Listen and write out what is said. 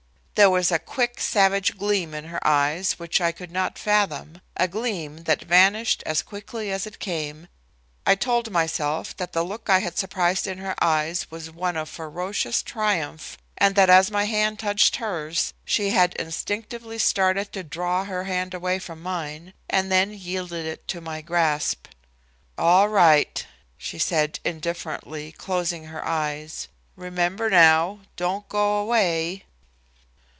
There was a quick, savage gleam in her eyes which I could not fathom, a gleam that vanished as quickly as it came. I told myself that the look I had surprised in her eyes was one of ferocious triumph, and that as my hand touched hers she had instinctively started to draw her hand away from mine, and then yielded it to my grasp. "All right," she said indifferently, closing her eyes. "Remember now, don't go away."